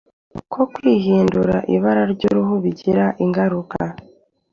ko kwihindura ibara ry'uruhu bigira ingaruka,